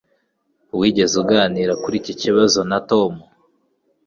Wigeze uganira kuri iki kibazo na Tom?